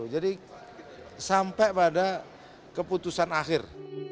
jadi sampai pada keputusan akhir